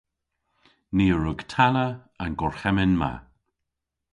Ni a wrug tanna an gorhemmyn ma.